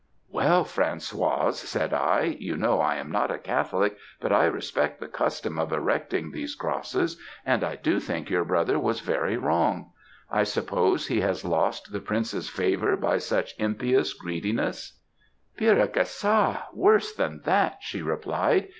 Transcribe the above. "'Well, Françoise,' said I, 'you know I am not a Catholic, but I respect the custom of erecting these crosses, and I do think your brother was very wrong; I suppose he has lost the prince's favour by such impious greediness.' "'Pire que ça! worse than that,' she replied.